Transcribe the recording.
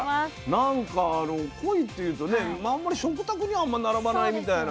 なんかコイっていうとねあんまり食卓には並ばないみたいな。